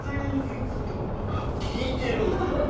効いてる？